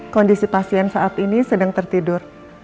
kondisi pasien saat ini sedang tertidur